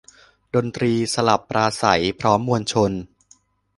ดนตรีสลับปราศรัยพร้อมมวลชน